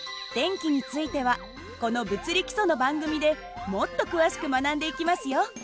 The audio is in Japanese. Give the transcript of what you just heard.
電気についてはこの「物理基礎」の番組でもっと詳しく学んでいきますよ。